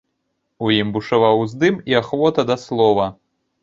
У ім бушаваў уздым і ахвота да слова.